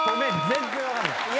全然分かんない。